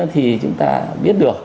thì chúng ta biết được